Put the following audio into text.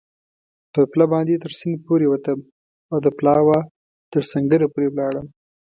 پر پله باندې تر سیند پورېوتم او د پلاوا تر سنګره پورې ولاړم.